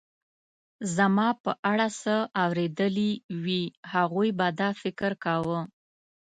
زما په اړه څه اورېدلي وي، هغوی به دا فکر کاوه.